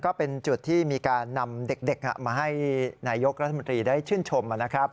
ก็เป็นจุดที่มีการนำเด็กมาให้นายกรัฐมนตรีได้ชื่นชมนะครับ